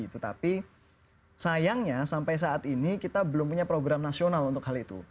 tetapi sayangnya sampai saat ini kita belum punya program nasional untuk hal itu